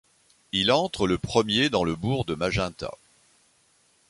Il entre le premier dans le bourg de Magenta.